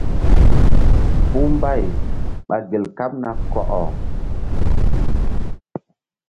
Puh mbay ɓa gel kaɓ na kɔkɔ.